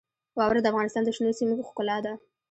واوره د افغانستان د شنو سیمو ښکلا ده.